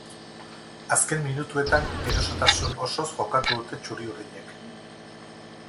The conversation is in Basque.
Azken minutuetan erosotasun osoz jokatu dute txuri-urdinek.